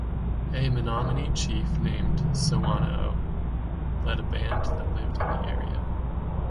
A Menominee chief named "Sawanoh" led a band that lived in the area.